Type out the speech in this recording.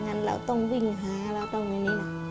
งั้นเราต้องวิ่งหาแล้วเริ่มกลับมาอย่างนี้